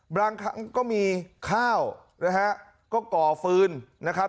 บางครั้งก็มีข้าวนะฮะก็ก่อฟืนนะครับ